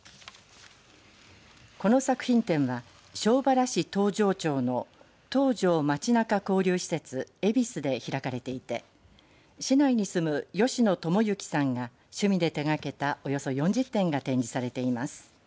この作品展は庄原市東城町の東城まちなか交流施設えびすで開かれていて市内に住む吉野智之さんが趣味で手がけた、およそ４０点が展示されています。